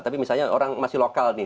tapi misalnya orang masih lokal nih